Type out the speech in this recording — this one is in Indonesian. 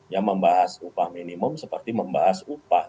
yang membahas upah minimum seperti membahas upah